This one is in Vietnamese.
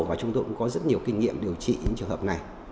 và chúng tôi cũng có rất nhiều kinh nghiệm điều trị những trường hợp này